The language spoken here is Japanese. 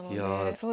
そう。